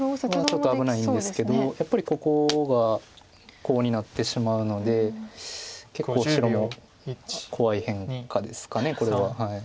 はちょっと危ないんですけどやっぱりここがコウになってしまうので結構白も怖い変化ですかこれは。